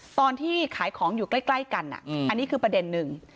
ตอนที่ขายของอยู่ใกล้กันอันนี้คือประเด็นหนึ่ง